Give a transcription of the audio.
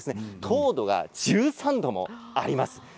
糖度が１３度もあります。